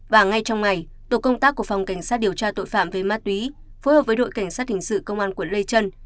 và ngay trong ngày tổ công tác của phòng cảnh sát điều tra tội phạm về ma túy phối hợp với đội cảnh sát hình sự công an quận lê trân